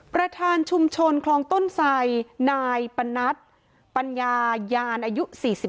ประธานชุมชนคลองต้นไสนายปนัดปัญญายานอายุ๔๒